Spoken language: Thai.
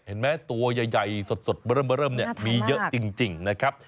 เห็นไหมตัวใหญ่สดเบิร์มมีเยอะจริงนะครับ